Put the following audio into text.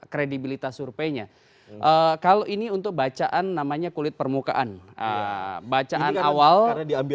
kredibilitas surveinya kalau ini untuk bacaan namanya kulit permukaan bacaan awal diambil